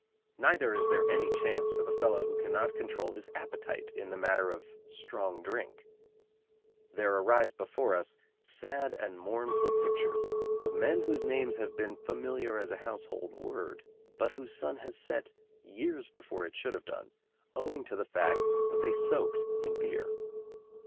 Neither is there any chance for the fellow who cannot control his appetite in the matter of strong drink. There arise before us sad and mournful pictures of men whose names have been "familiar as a household word," but whose sun has set years before it should have done, owing to the fact that they soaked in beer.